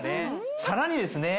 さらにですね